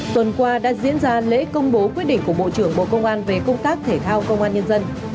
tuần qua đã diễn ra lễ công bố quyết định của bộ trưởng bộ công an về công tác thể thao công an nhân dân